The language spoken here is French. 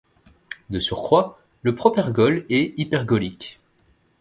De surcroît, le propergol est hypergolique.